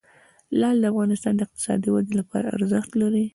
لعل د افغانستان د اقتصادي ودې لپاره ارزښت لري.